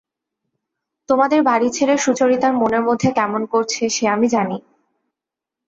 তোমাদের বাড়ি ছেড়ে সুচরিতার মনের মধ্যে কেমন করছে সে আমি জানি।